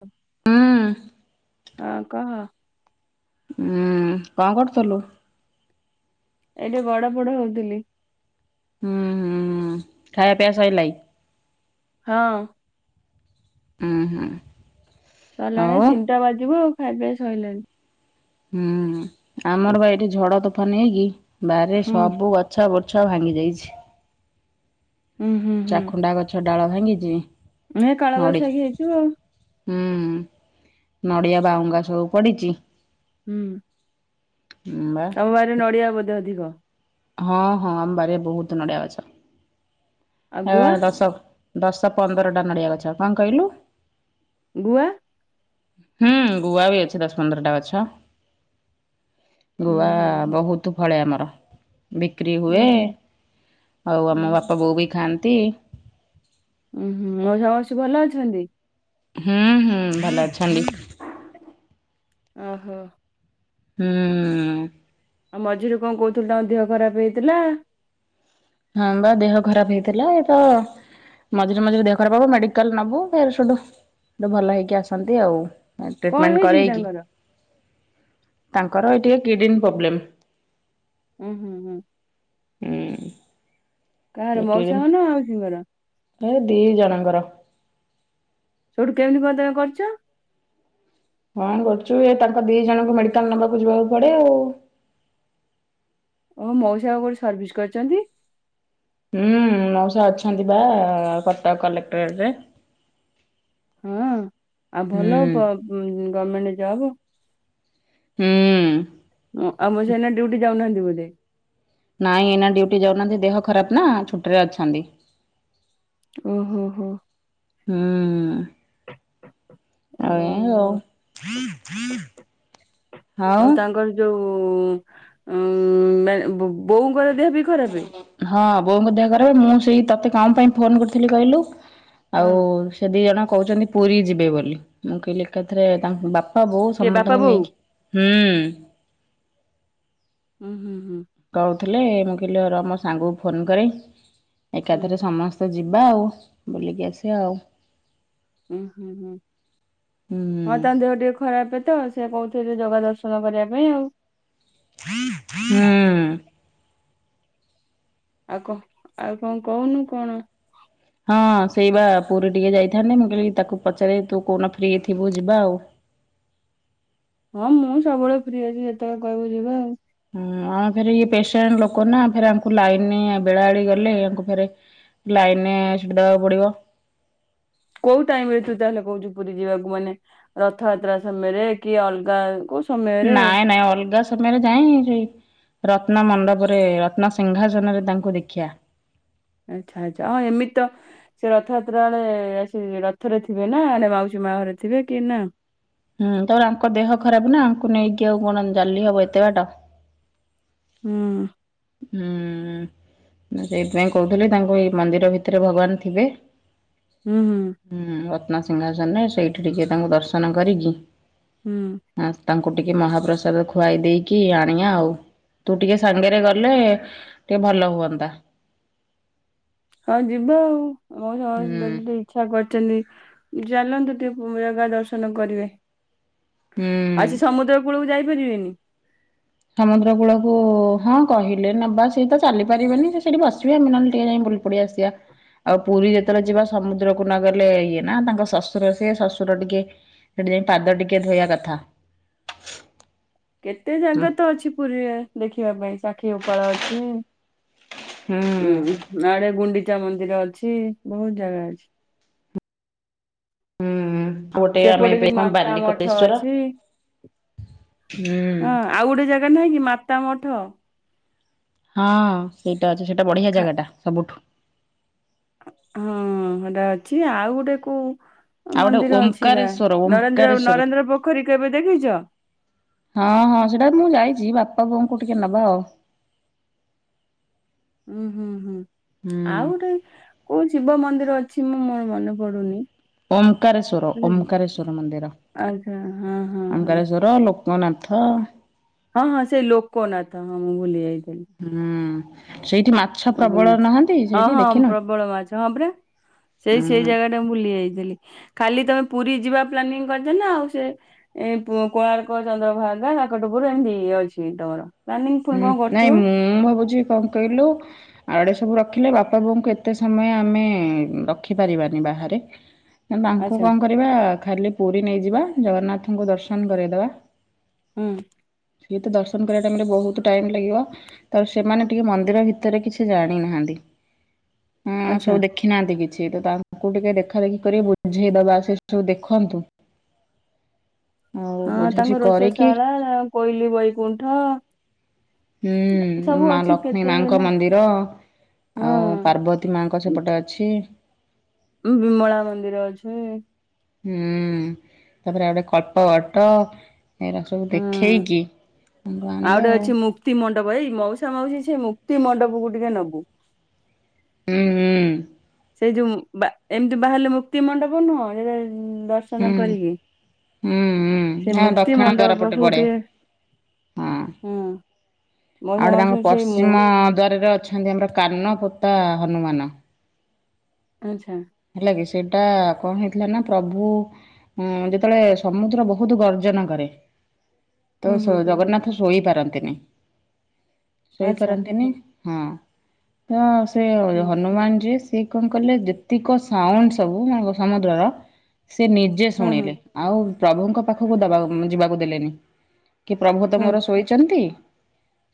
ହ ହଁ ହଁ କହ ଉୁଁ କଣ କରୁଥିଲୁ ଏଇଠି ଗଡ ପଡ ହଉଥିଲି ହୁଁ ହୁଁ ଖାଇବା ପିଆ ସଇଲାଇ ହଁ ହୁଁ ହୁଁ ଆଉ ସରିଲାଣି ତିନିଟା ବାଜିବ ଆଉ ଖାଇବା ପିଇବା ସରିଲାଣି ହୁଁ ଆମର ବା ଏଠି ଝଡ ତୋଫାନ ହେଇକି ବାରିରେ ହୁଁ ସବୁ ଗଛ ବର୍ ଗଛ ଭାଙ୍ଗି ଯାଇଛି ହୁଁ ହୁଁ ହୁଁ ଚାଖୁଣ୍ଡା ଗଛ ଡାଳ ଭାଙ୍ଗିଛି ଏ ନଡି କାଳବୈଶାଖୀ ହେଇଥିବ ଆଉ ହୁଁ ନଡିଆ ବାଉଙ୍ଗା ସବୁ ପଡିଛି ହୁଁ ହୁଁ ବା ଆମ ବାହରେ ନଡିଆ ବୋଧେ ଅଧିକ ହଁ ହଁ ଆମବାର ବହୁତ ନଡିଆ ଆଉ ଗଛ ଗୁଆ ଦଶ ଦଶ ପନ୍ଦରଟା ନଡ଼ିଆ ଗଛ କଣ କହିଲୁ ଗୋଆ ହୁଁ ଗୁଆ ବି ଅଛି ଦଶ ପନ୍ଦରଟା ଗଛ ଉଁ ଗୁଆ ହୁଁ ବହୁତ ଫଳେ ଆମର ବିକ୍ରି ଉଁ ହୁଏ ହୁଁ ଆଉ ଉଁ ଆମ ହୁଁ ବାପା ବୋଉ ବି ଖାଆନ୍ତି। ଉଁ ହୁଁ ମୋଉସା ମାଉସୀ ଭଲ ଅଛନ୍ତି? ହୁଁ ହୁଁ ଭଲ ଅଛନ୍ତି। ଓହୋ। ହୁଁ। ଆଉ ମଝିରେ କଣ କହୁଥିଲୁ ତଙ୍କ ଦେହ ଖରାପ ହେଇଥିଲା। ହଁ ବା ଦେହ ଖରାପ ହେଇଥିଲା ଏ ତ ମଝିରେ ମଝିରେ ଦେହ ଖରାପବ ମେଡିକାଲ ନବୁ ଫେର୍ ସେଠୁୁ ଭଲ ହେଇକି ଆସନ୍ତି ଆଉ। କଣ ଟ୍ରିଟମେଣ୍ଟ ହେଇଛି କି କରରେଇକି? ତାଙ୍କର? ତାଙ୍କର ଏ ଟିକେ କିଡନୀ ପୋବ୍ଲେମ୍। ଉଁ ହୁଁ ହୁଁ। ହୁଁ। କାହାର ମଉସାଙ୍କର ନା ମାଉସୀଙ୍କର? ଫେ ଦି ଜଣଙ୍କର। ସେଠୁ କେମିତି କଣ ତମେ କରୁଛ? କଣ କରୁଛୁ ଏ ତାଙ୍କ ଦି ଜଣଙ୍କୁ ମେଡିକାଲ ନବାକୁ ଯିବାକୁ ପଡେ ଆଉ। ଓ ମୋଉସା ବା କୋଉଠି ସର୍ଭିସ୍ କରିଛନ୍ତି। ହୁଁ ମୋଉସା ଅଛନ୍ତି ବା କଟକ କଲେକ୍ଟଟରେ। ହଁ ଆଉ ଭଲ ପ ଗମେଣ୍ଟ ଜବ। ହୁଁ। ଆମ ମୋଉସା ଏଇନା ଡିଉଟି ଯାଉନାହାନ୍ତି ବୋଲି। ନାଇଁ ଏଇନା ଡିଉଟି ଯାଉନାହାନ୍ତି ଦେହ ଖରାପ ନା ଛୁଟିରେ ଅଛନ୍ତି। ଓ ହୋ ହୋ। ହୁଁ। ହ ହ ଆଏଁଓ ଆଉ? ବୋଉଁ ବୋଉଙ୍କର ଦେହ ବି ଖରାପେ? ବୋଉଙ୍କୁ ଦେହ କରେ ମୁଁ ସେଇ ତତେ କଣ ପାଇଁ ଫୋନ କରିଥିଲି କହିଲୁ ଆଉ କଣ ସେ ଦି ଜଣ କହୁଛନ୍ତି ପୁରୀ ଯିବେ ବୋଲି ମୁଁ କହିଲି ଏକାଥରେ ତାଙ୍କ ବା ପା ବୋଉ କିଏ ବାପା ସମସ୍ତଙ୍କୁ ବୋଉ? ନେଇକି ହୁଁ। ହୁଁ ହୁଁ ହୁଁ। କହୁଥିଲେ ମୁଁ କହିଲି ର ମୋ ସାଙ୍ଗକୁ ଫୋନ କରେ ହୁଁ ଏକାଥରେ ସମସ୍ତେ ଯିବା ଆଉ ବୁଲିକି ଆସିବା ଆଉ। ଉଁ ହୁଁ ହୁଁ ହୁଁ ହଁ ତାଙ୍କ ଦେହ ଟିକେ ଖରାପ ତ ସେ କହୁ ଥିଲେ ଜଗା ଦର୍ଶନ କରିବା ପାଇଁ ଆଉ। ହୁଁ। ଆଉ କ ଆଉ କଣ କହୁନୁ କଣ? ହଁ ସେଇ ବା ପୁରୀ ଟିକେ ଯାଇଥାନ୍ତେ ମୁଁ କହିଲି ତାକୁ ପଚାରେ ତୁ କୋଉଦିନ ଫ୍ରି ଥିବୁ ଯିବା ଆଉ। [inaudible] ହଁ ମୁଁ ସବୁବେଳେ ଫ୍ରି ଅଛି ଯେତେବେଳେ କହିବୁ ଯିବା ଆଉ। ହଁ ଆମେ ଫେରି ପେସେଣ୍ଟ ଲୋକ ନା ଫେରେ ଆମକୁ ଲାଇନ୍ ରେ ବେଳା ଆଡି ଗଲେ ଆଙ୍କୁ ଫେରେ ଲାଇନରେ ସିଟ୍ ଦବାକୁ ପଡିବ। କୋଉ ଟାଇମ ରେ ତୁ ତାହେଲେ କହୁଛୁ ପୁରୀ ଯିବାକୁ ମାନେ ରଥଯାତ୍ରା ସମୟରେ କି ଅଲଗା କୋଉ ସମୟରେ ନାଇଁ ନାଇଁ ଅଲଗା ସମୟରେ ଯାଏ ସେଇ ରତ୍ନ ମଣ୍ଡପରେ ରତ୍ନ ସିଂହାସନରେ ତାଙ୍କୁ ଦେଖିଆ ଆଚ୍ଛା ଆଚ୍ଛା ହଁ ଏମିତି ତ ସେ ରଥଯାତ୍ରା ବେଳେ ସେ ରଥ ରେ ଥିବେ ନା ମାଉସୀ ମା ଘରେ ଥିବେ କି ନା? ହୁଁ ତାପର ଆଙ୍କ ଦେହ ଖରାପ ନା ଆଙ୍କୁ ନେଇକି ଆଉ କଣ ଚାଲି ହବ ଏତେ ବାଟ। ହୁଁ। ହୁଁ ସେଇଥି ପାଇଁ କହୁଥିଲି ତାଙ୍କୁ ଏଇ ମନ୍ଦିର ଭିତରେ ଭଗବାନ ଥିବେ ହୁଁ ରତ୍ନାସିଂହାସନରେ ସେଇଠି ଟିକେ ତାଙ୍କୁ ଦର୍ଶନ କରିକି ହୁଁ! ତାକୁ ଟିକେ ମହାପ୍ରସାଦ ଖୁଆଇ ଦେଇକି ଆଣିବା ଆଉ ତୁ ଟିକେ ସାଙ୍ଗରେ ଗଲେ ଗଲେ ଟିକେ ଭଲ ହୁଅନ୍ତା। ହଁ ଯିବା ଆଉ ଆମ ହୁଁ ସମସ୍ତେଇଛା କର ଛନ୍ତି ଚାଲନ୍ତୁ ଟିକେ ଜାଗ ଦର୍ଶନ କରିବେ ହୁଁ। ଆଉ ସେ ସମୁଦ୍ର କୂଳକୁ ଯାଇପାରିବେନି ସମୁଦ୍ର କୂଳକୁ ହଁ କହିଲେ ନେବା ସିଏ ତ ଚାଲି ପାରିବନି ସେ ସେଠି ବସିବେ ଆମେ ନହେଲେ ଟିକେ ଯାଇ ପିବ ଲ ପଡ଼ିଆସିବା ଆଉ ପୁରୀ ଯେତେବେଳେ ଯିବା ସମୁଦ୍ରକୁ ନ ଗଲେ ଇଏ ନା ତାଙ୍କ ଶ୍ୱଶୁର ସେି ଶ୍ୱଶୁର ଟିକେ ପାଦ ଟିକେ ଧୋଇବା କଥା କେତେ ହୁଁ ଜାଗା ତ ଅଛି ପୁରୀରେ ଦେଖିବା ପାଇଁ ସାକ୍ଷୀ ଗୋପାଳ ଅଛି ହୁଁ ଉଁ ଆଆଡେ ଗୁଣ୍ଡିଚା ମନ୍ଦିର ଅଛି ବହୁତ ଜାଗା ଅଛି ହୁଁ ଗୋଟେ ଆମେ ସେପଟେ ବି ଏବେ କଣ ମାତା ମଠ ବାଲିକପେଶ୍ଵର ଅଛି ହଁ ଆଉ ଗୋଟେ ଜାଗା ନାହିଁ କି ମାତା ମଠ ହଁ ସେଇଟା ଅଛି ସେଇଟା ବଢିଆ ଖା ଜାଗା ଟା ସବୁଠୁ ହଁ ସେଟା ଅଛି ଆଉ ଗୋଟେ କୋଉ ଆଉ ଗୋଟେ ମନ୍ଦିର ଅଛି ବା ଓମ୍କାରେଶ୍ଵର ନରେନ୍ଦ୍ର ଓମ୍କାରେଶ୍ଵର ନରେନ୍ଦ୍ର ପୋଖରୀ କେବେ ଦେଖିଛ? ହଁ ହଁ ସେଟା ମୁଁ ଯାଇଛି ଛି ବାପା ବୋଉକୁ ଟିକେ ନବା ଆଉ। ହୁଁ ହୁଁ ହୁଁ ହୁଁ ଆଉ ଗୋଟେ କୋଉ ଶିବ ମନ୍ଦିର ଅଛି ମୁଁ ମନେ ପଡୁନି। ଓଁକାରଶ୍ୱର ଓଁକାରଶ୍ୱର ମନ୍ଦିର ଆଚ୍ଛା ହଁ ହଁ ହଁ ଓଁକାରଶ୍ୱର ଲ ଗନାଥ ହଁ ହଁ ସେ ଲୋକ ନାଥା ହଁ ମୁଁ ଭୁଲି ଯାଇଥିଲି ହୁଁ ସେଇଠି ମାଛ ପ୍ରବଳ ରୁନାଥ ନାହାନ୍ତି ହଁ ସେଇଠି ହଁ ଦେଖିନ? ପ୍ରବଳ ମାଛ ହଁ ପରା ସେଇ ସେଇ ହୁଁ। ଜାଗା ଟା ବୁଲି ଯାଇଛି। ଖାଲି ତମେ ପୁରୀ ଯିବା ପ୍ଲାନିଂ କରିଛ ନା ଆଉ ସେ କୋଣାର୍କ ଚନ୍ଦ୍ରଭାଗା। ନା କାକଟପୁରରୁ ଏମିତି ଇଏ ଅଛି ତମର ପ୍ଲାନିଂ ପୁଣି ହୁଁ କଣ ନାଇଁ କରିଥିବ ମୁଁ ଭାବୁଛି କଣ କହିଲୁ ଆଡେ ସବୁ ରଖିଲେ ବାପା ବୋଉଙ୍କୁ ଏତେ ସମୟ ଆମେ ରଖିପାରିବାନି ବା ବାହାରେ ନା ତାଙ୍କୁ ଆଚ୍ଛା କଣ କରିବା ଖାଲି ପୁରୀ ନେଇଯିବା ଜଗନ୍ନାଥଙ୍କୁ ଦର୍ଶନ କରେଇଦେବା। ହୁଁ! ସିଏ ତ ଦର୍ଶନ କରିବା ଟାଇମରେ ବହୁତ ଟାଇମ ଲାଗିବ ତ ସେମାନେ ଟିକେ ମନ୍ଦିର ଭିତରେ କିଛି ଜାଣିନାହାନ୍ତି। ହଁ ଆଚ୍ଛା ସବୁ ଦେଖି ନାହାନ୍ତି କିଛି ତ ତାଙ୍କୁ ଟିକେ ଦେଖା ଦେେଖି କରି ବୁଝେଇ ଦବା ସେ ସବୁ ଦେଖନ୍ତୁ ଆଉ ହଁ ବୁଝାବୁଝି ତାଙ୍କ କରିକି ରସେଇସାଳା କୋଇଲି ବୈକୁଣ୍ଠ ହୁଁ ସବୁ ମା ଅଛି ଲକ୍ଷ୍ମୀ କେତେ ମାଙ୍କ ନା ମନ୍ଦିର ଆଉ ପାର୍ବତୀ ମାଙ୍କ ହଁ ସେପଟେ ଅଛି ବିମଳା ମନ୍ଦିର ଅଛି। ହୁଁ ତାପରେ ଏଉଡ କଳ୍ପବଟ। ଏଗରା ସବୁ ହଁ ଦେଖେଇକି ଆମକୁ ଆଣିବା ଗୋଟେ ଆଉ। ଅଛି ମୁକ୍ତି ଏଇ ମାଉସା ମାଉସୀ ସେ ମୁକ୍ତି ମଣ୍ଡପକୁୁ ଟିକେ ନବୁ। ହୁଁ ହୁଁ। ସେଇ ଯୋଉ ବା ଏମିତି ବାହାରିଲେ ମୁକ୍ତି ମଣ୍ଡପ ନୁହଁ। ଏରା ହୁଁ ଦର୍ଶନ ହୁଁ କରିକି ହୁଁ ହୁଁ। ସେ ନା ମୁକ୍ତି ଦକ୍ଷିଣ ଦ୍ୱାର ମଣ୍ଡପ ପଟେ ପାଖକୁ ପଡେ ଟିକେ ହଁ। ହୁଁ। ଆଉ ଗୋଟେ ତାଙ୍କ ପଶ୍ଚିମ ଦ୍ଵାରରେ ଅଛନ୍ତି! ଆମର କାନପ ତା ହନୁମାନ। ଆଚା ହେଲା କି ସେଇଟା କଣ ହେଇଥିଲା ନା ପ୍ରଭୁ ହଁ ଯେତଳେ ସମୁଦ୍ର ବହୁତୁ ଗର୍ଜନ କରେ। ତ ହୁଁ ସ ହୁଁ ହୁଁ ଜଗନ୍ନାଥ ଶୋଇପାରନ୍ତିନି ଆଚ୍ଛା ଶୋଇପାରନ୍ତିନି ହଁ ତ ସେ ଅ ହୁଁ ହନୁମାନ ଯିଏ ସିଏ କଣ କଲେ ଯେ ପ୍ରତିକ ସାଉଣ୍ଡ ସବୁ ମ ସମୁଦ୍ରର ସେ ନିଜେ ହଁ ହଁ ଶୁଣିଲେ ଆଉ ପ୍ରଭୁଙ୍କ ପାଖକୁ ଦବା ଯିବାକୁ ଦେଲେନି। କି ପ୍ରଭୁ ତ ହଁ ମୋର ଶୋଇଚନ୍ତି।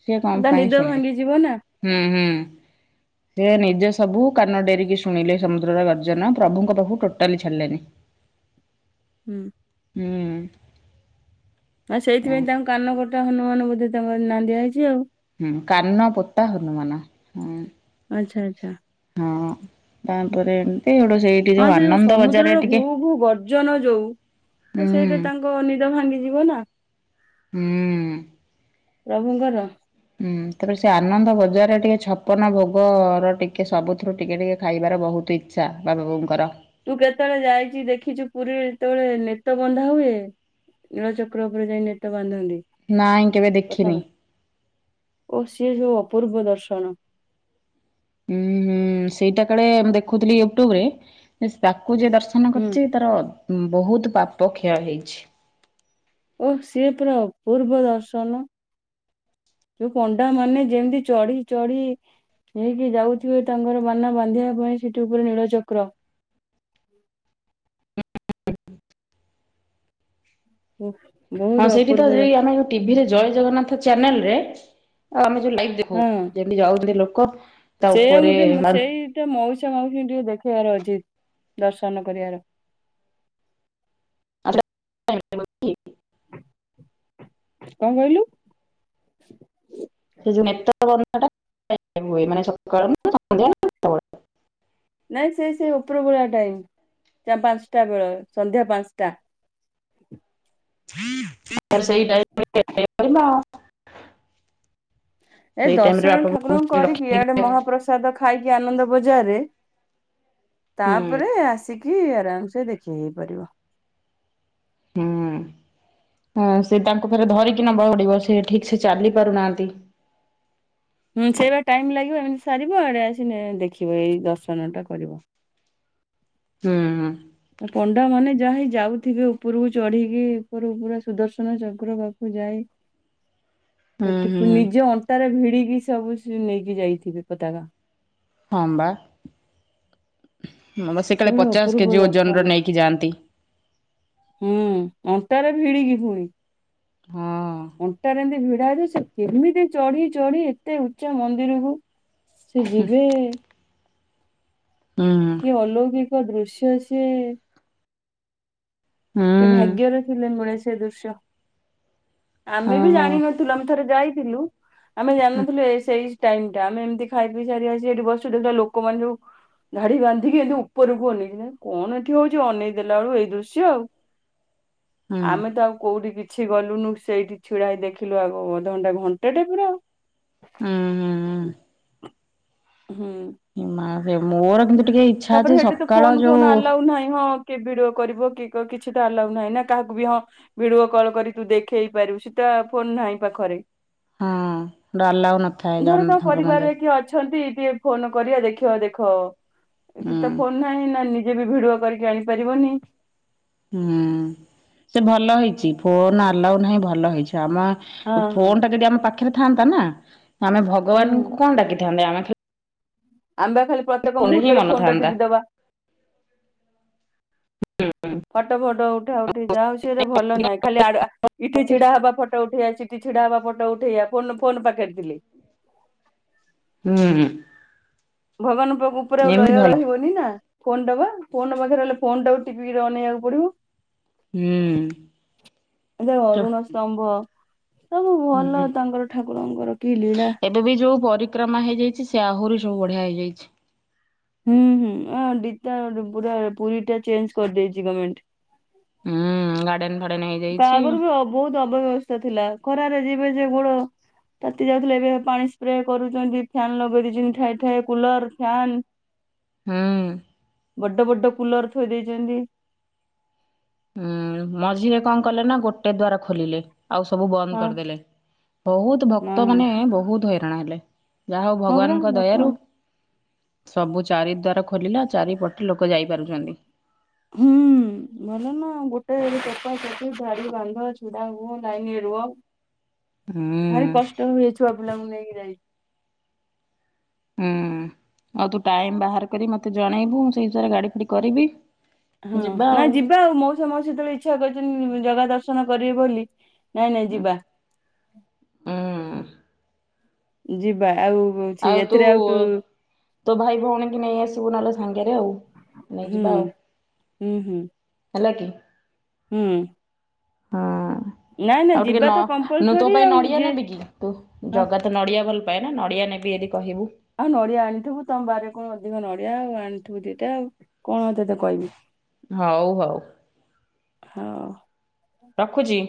ସିଏ କଣ ତା ପାଇଁ ନିଦ ଶୁଣିବେ। ଭାଙ୍ଗିଯିବ ନା ହୁଁ ହୁଁ। ସେ ନିଜେ ସବୁ କାନ ଡେରିକି ଶୁଣିଲେ। ସମୁଦ୍ରର ଗର୍ଜନ ପ୍ରଭୁଙ୍କ ପାଖକୁ ଟୋଟାଲି ଛାଡିଲେନି। ହୁଁ। ହୁଁ। ଆଉ ସେଇଥିପାଇଁ ତାଙ୍କ କାନ ଗୋଟା ହନୁମାନ ବୋଧେ ତାଙ୍କର ନାଁ ଦିଆ ହେଇଚି ଆଉ। ହୁଁ କାନ ପୋତା ହନୁମାନ ହୁଁ। ଆଚ୍ଛା ଆଚ୍ଛା। ହଁ ତା ପରେ ହଁ ସେ ଯୋଉ ସମୁଦ୍ରର ଘୁ ଘୁ ଗର୍ଜନ ଯୋଉ ହୁଁ ସେଇଟା ତାଙ୍କ ନିଦ ଭାଙ୍ଗିଯିବ ନା। ହୁଁ। ପ୍ରଭୁଙ୍କର ହୁଁ ତାପରେ ସେ ଆନନ୍ଦ ବଜାରରେ ଟିକେ ଛପନ ଭୋଗ ର ଟିକେ ସବୁଥିରୁ ଟିକେ ଟିକେ ଖାଇବା ବହୁତ୍ ଇଚ୍ଛା ବାବା ବଉଙ୍କର। ତୁ କେତେବେଳେ ଯାଇଚି ଦେଖିଛୁ ପୁରୀରେ ଯେତେବେଳେ ନେତ ବନ୍ଧା ହୁଏ। ନୀଳଚକ୍ର ଉପରେ ଯାଇ ନେତ ବାନ୍ଧନ୍ତି। ନାଇଁ କେବେ କଥା ଦେଖିନି। ନାଇଁ ଓ ସିଏ ଯୋଉ ଅପୂର୍ବ ଦର୍ ଶୁଣୁ। ହୁଁ ହୁଁ ସେଇଟା କାଳେ ମୁ ଦେଖୁଥିଲି ୟୁଟ୍ୟୁବ୍ ରେ ନା ସେ ତାକୁ ଯିଏ ଦର୍ଶନ ହୁଁ କରିଛି ତାର ବହୁତ ପାପ କ୍ଷୟ ହେଇଚି। ଓ ସିଏ ପୁରା ଅପୂର୍ବ ଦର୍ଶନ। ଯୋଉ ପଣ୍ଡା ମାନେ ଯେମିତି ଚଢି ଚଢି ନେଇକି ଯାଉଥିବେ ତାଙ୍କର ବାନା ବାନ୍ଧିବା ପାଇଁ ସେଠି ଉପରେ ନୀଳଚକ୍ର। [inaudible] ହୁଁ। ହଁ ସେଇଠି ତ ଯ ଆମେ ଟିଭିରେ ଜୟ ଜଗନ୍ନାଥ ଚ୍ୟାନେଲ ରେ ଆ ଆମେ ଲଇଭ୍ ଦେଖୁ ଯେମତି ଯାଉଚନ୍ତି ଲୋକ। ତା ସେଆଙ୍କୁ ଉପରେ ଟିକ ସେଇଟା ମଉସ ଉସା ମାଉସୀ ଟିକେ ଦେଖେଇବାର ଅଛି ଦର୍ଶନ କରିବାର। [unintelligible] [inaudible] କଣ କହିଲୁ। ସେ [unintelligible] ନାଇଁ ସେ ସେ ଉପର ବେଳା ଟାଇମ ପାଞ୍ଚଟା ବେଳେ ସନ୍ଧ୍ୟା ପାଞ୍ଚଟା। [inaudible] ସେଇ ଟାଇ [unintelligible] ଏ ରେ ଦର୍ଶନ ବାପା ଠାକୁରଙ୍କୁ ବୋଉ କରିକି! ରଖିକି ଇଆଡ଼େ ମହାପ୍ରସାଦ ଖାଇକି ଆନନ୍ଦ ବଜାରେ ହୁଁ ତାପରେ ଆସିକି। କି ଆରାମ ସେ ଦେଖି ହେଇପାରିବ। ହୁଁ। ହ ସେ ତାଙ୍କୁ ଫରେ ଧରିକି ନବା ପଡି଼ବ ସେ ଠିକ ସେ ଚାଲି ପାରୁନାହାନ୍ତି। ସେଇ ବା ଟାଇମ୍ ଲାଗିବ ଏମିତି ସାରିବ ଆଡ଼େ ଆସି ଦେଖିବ ଏଇ ଦର୍ଶନ ଟା କରିବ। ହୁଁ। ପଣ୍ଡା ମାନେ ଯା ହି ଯାଉଥିବେ ଉପରକୁ ଚଢି଼କି ଉପରକୁ ପୁରା ସୁଦର୍ଶନ ଚକ୍ର ପାଖକୁ ଯାଇ। [inaudible] ହୁଁ ସେଠି ହୁଁ ନିଜ ଅଣ୍ଟାରେ ଭିଡି଼କି ସବୁ ନେଇକି ଯାଇଥିବେ ପତାକା ହଁବା। ହଁ ବା ସେ କାଳେ ସେଗୁଡା ପଚାଶ ଅପୂର୍ବ କେଜି ଓଜନ ଦର୍ଶନ। ର ନେଇକି ଯାଆନ୍ତି। ହୁଁ ଅଣ୍ଟାରେ ଭିଡିକି ପୁଣି ହଁ ଅଣ୍ଟାରେ ଏମତି ଭି- ସେକେମିତି ଚଢି଼ ଚଢି଼ ଏତେ ଉଚ୍ଚା ମନ୍ଦିରକୁ। ସେ ଯିବ। ହୁଁ କି ଅଲୌକିକ ଦୃଶ୍ୟ ସେ। ସେ ହୁଁ ଭାଗ୍ୟର ଥିଲେ ମୂଳେ ସେ ଦୃଶ୍ୟ। ଆମେ ବି ଓହୋ ଜାଣିନଥିଲୁ ଆମେ ଥରେ ଯାଇଥିଲୁ। ଆମେ ଜାଣିନଥିଲୁ ସେଇ ଟାଇମ ଟା ଆମେ ଏମିତି ଖାଇ ପିଇ ସାରି ସେଠି ବୁ ଲୋକମାନେ ସବୁ। ଧାଡି ବାନ୍ଧିକି ଏମିତି ଉପରକୁ ଅନେଇଛି କଣ ଏଠି ହଉଛି ଅନେଇ ଦେଲା ବେଳୁ ଏଇ ଦୃଶ୍ୟ ଆଉ। ହୁଁ ଆମେ ତ ଆଉ କୋଉଠି କିଛି। କିଛି ଗଲୁନୁ ସେଇଠି ଛିଡା ହେଇ ଦେଖିଲୁ ଆଗ ଅଧଘଣ୍ଟା ଘଣ୍ଟାଟେ ପୁରା ହୁଁ ହୁଁ ଆଉ। [inaudible] ହୁଁ। ହୁଁ ମା ମୋର କିନ୍ତୁ, ଟିକେ ଇଚ୍ଛା ଅଛି ତାପରେ ସେଠି ତ ସକାଳ ଫୋନ ଯୋଉ ଫୋନ ଆଲାଉ ନାହିଁ ହଁ। କି ଭିଡିଓ କରିବ କି କିଛି ତ ଆଲାଉ ନାହିଁ ନା କାହାକୁ ବି ହଁ ଭିଡିଓ କଲ୍ କରି ତୁ ଦେଖେଇ ପାରିବୁ ସିନା। ଫୋନ୍ ନାହିଁ ପାଖରେ। ହଁ ଆଲାଉ ନଥାଏ ଧର ତାମ ଜଗନ୍ନାଥଙ୍କ ମନ୍ଦିର ପରିବାରରେ କିଏ ଅଛନ୍ତି। ଟିକେ ଫୋନ କରିବା ଦେଖ ଦେଖ କିତ ହୁଁ ଫୋନ ନାଇଁ। କିଏବି ଭିଡିଓ କରିକି ଆଣିପାରିବନି। ହୁଁ ସେ ଭଲ ହେଇଛି ଫୋନ ଆଲାଉ ନାହିଁ ଭଲ ହେଇଛି। ଆମ ହଁ ହଁ ଫୋନ୍ ଟା ଯଦି ଆମ ପାଖରେ ଥାନ୍ତା ନା ଆମେ ଭଗବାନଙ୍କୁ କଣ ଡାକି। [unintelligible] ଆମ୍ବେ ଖାଲି ପ୍ରତ୍ୟେକ ମୁହୂର୍ତ୍ତରେ ଫୋନ ଟା ଥାନ୍ତା ଟିପି ଦବା। ଫଟୋ ଫଟୋ ଉଠା ଉଠି ଯାଉ ସି ଭଲ ନାହିଁ ଖାଲି ଇଠି ଛିଡା ହବା ଫଟୋ ଉଠେଇ ଚି। ଛିଡ଼ାହବା ଫଟ ଉଠେଇିଆ ଫୋନ୍ ଫୋନ ପଖେରେ। ହୁଁ ହୁଁ। ଭଗବାନ ପାଖକୁ ପୁରା ଲୟ ରହିବନି ନା। ଫୋନ ଟବା ଫୋନ ପାଖରେ ହେଲେ ଫୋନ ଟିପିକି ଅନନେଇବାକୁ ପଡି଼ବ। ହୁଁ। ସେ ଅରୁଣ ସ୍ତମ୍ଭ। ସବୁ ଭଲ ହୁଁ ତାଙ୍କର ଠାକୁରଙ୍କର କି ଲୀଳା। ଏବେ ବି ଯୋଉ ପରିକ୍ରମା ହେଇଯାଇଛି ସେ ଆହୁରି ସବୁ ବଢି଼ଆ ହେଇଯାଇଛି। ହୁଁ ହୁଁ ପୁରା ପୁରୀ ଟା ଚେଞ୍ଜ କରିଦେଇଛି ଗମେଣ୍ଟ। ହୁଁ ଗାଡେନ। ଭା- ତାଆଗରୁ ବି ବହୁତ ଅପବ୍ୟବସ୍ଥା ଥିଲା ଖରାରେ ଯିବେ ଯେ ଗୋଡ଼। ରାତି ଯାଉଥିଲେ ଏବେ ପାଣି ସ୍ପ୍ରେ କରୁଛନ୍ତି ଫ୍ୟାନ୍ ଲଗେଇ ଦେଇଛନ୍ତି ଠଏ ଠଏ କୁଲର ଫନ୍। ହୁଁ। ବଡ ବଡ କୁଲର ଥୋଇ ଦେଇଛନ୍ତି। ହୁଁ ମଝିରେ କଣ କଲେ ନା ଗୋଟେ ଦ୍ଵାର ଖୋଲିଲେ। ଆଉ ସବୁ ବନ୍ଦ ହଁ କରିଦେଲେ ବହୁତ ଭକ୍ତ ମାନ ବହୁତ ହଇରାଣ ହେଲେ। ଯାହା ହଉ ହଁ ପରା ଭଗବାନଙ୍କ ଦୟାରୁ ଭଗବାନ ସବୁ ଚାରି ଦ୍ଵାରା ଖୋଲିଲା ଚାରିପଟେ ଲୋକ ଯାଇପାରୁଛନ୍ତି। ହୁଁ। ଭଲ ନା ଗୋଟେ [unintelligible] ଧାଡି ବାନ୍ଧ ଛିଡା ହୁଅ ଲାଇନ ରୁହ ହୁଁ ଭାରି କଷ୍ଟ ହୁଏ ଛୁଆପିଲାଙ୍କୁ ନେଇକି ଯାଇ। ହୁଁ ଆଉ ତୁ ଟାଇମ ବାହାର କରି ମତେ ଜଣେଇବୁ ମୁ ସେଇ ବିଷୟରେ ଗାଡି ଫାଡି କରିବି। ହଁ ନା ଯିବା ଆଉ ମଉସା ମାଉସୀ ସେତେବେଳେ ଇଚ୍ଛା କରିଛନ୍ତି ଜଗା ଦର୍ଶନ କରିବେ ବୋଲି ନାଇଁ ନାଇଁ ଯିବା। ଉଁ ଯିବା ଆଉ ଛି ଆଉ ତୁ ଏଥିରେ ଆଉତୁ ତୋ ଭାଇ ଭଉଣୀ କି ନେଇ ଆସିବୁ ନହେଲେ ସାଙ୍ଗରେ ଆଉ, ହୁଁ ନେଇଯିବା ଆଉ। ହୁଁ ହୁଁ। ହେଲା କିି? ହୁଁ। ହଁ। ନାଇଁ ନାଇଁ ଆଉ ଟିକେ ଯିବା ନ ତ ମୁୁଁ ତୋ କମ୍ପଲସରୀ ପାଇଁ ଆଉ ନଡିଆ ଯିଏ ନେବି କି? ତୁ ହଁ ଜଗା ତ ନଡିଆ ଭଲ ପାଏନା ନଡ଼ିଆ ନେବି ଏଇଠି ଆଉ ନଡିଆ ଆଣିଥିବୁ ତମ ବାରିରେ କଣ ଅ ନଡିଆ ଆଉ ଆଣିଥିବୁ ଦିଟା ଆଉ କଣ ଆଉ ତତେ କହିବି? ହଉ ହଉ। ହଉ। ରଖୁଚି।